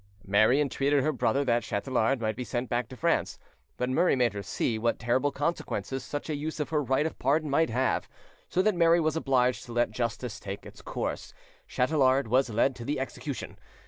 Mary entreated her brother that Chatelard might be sent back to France; but Murray made her see what terrible consequences such a use of her right of pardon might have, so that Mary was obliged to let justice take its course: Chatelard was led to execution.